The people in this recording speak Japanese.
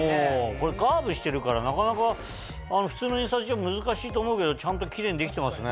これカーブしてるからなかなか普通の印刷じゃ難しいと思うけどちゃんとキレイにできてますね。